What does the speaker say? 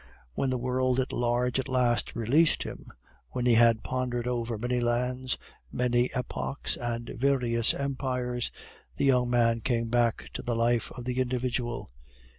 When the world at large at last released him, when he had pondered over many lands, many epochs, and various empires, the young man came back to the life of the individual.